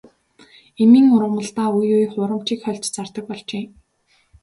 Эмийн ургамалдаа үе үе хуурамчийг хольж зардаг болжээ.